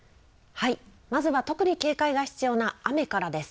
まずは特に警戒が必要な雨からです。